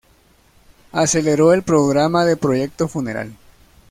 Aceleró el programa del Proyecto Funeral.